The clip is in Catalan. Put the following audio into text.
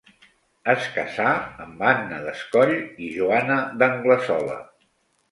Es casà amb Anna Descoll i Joana d'Anglesola.